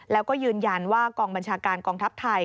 แล้วก็ยืนยันว่ากองบัญชาการกองทัพไทย